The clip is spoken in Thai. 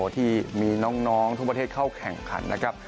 ที่มีน้องทุกประเทศเข้าแข่งขันนะครับ